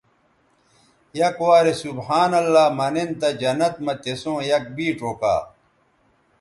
یک وارے سبحان اللہ منن تہ جنت مہ تسوں یک بیڇ اوکا